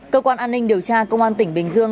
cơ quan an ninh điều tra công an tỉnh bình dương